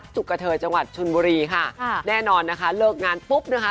กะเทยจังหวัดชนบุรีค่ะแน่นอนนะคะเลิกงานปุ๊บนะคะ